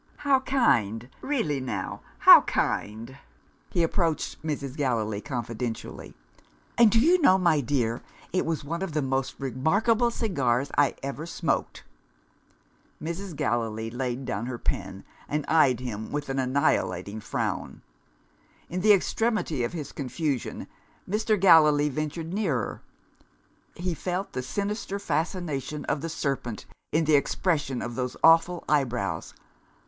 "How kind! Really now, how kind!" He approached Mrs. Gallilee confidentially. "And do you know, my dear, it was one of the most remarkable cigars I ever smoked." Mrs. Gallilee laid down her pen, and eyed him with an annihilating frown. In the extremity of his confusion Mr. Gallilee ventured nearer. He felt the sinister fascination of the serpent in the expression of those awful eyebrows.